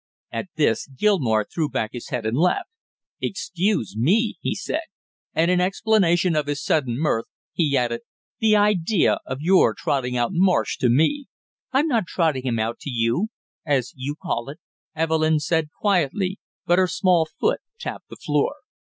At this Gilmore threw back his head and laughed. "Excuse me!" he said; and in explanation of his sudden mirth, he added: "The idea of your trotting out Marsh to me!" "I'm not trotting him out to you, as you call it," Evelyn said quietly, but her small foot tapped the floor.